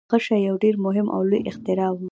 غشی یو ډیر مهم او لوی اختراع و.